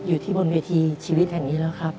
อยู่ที่บนเวทีชีวิตแห่งนี้แล้วครับ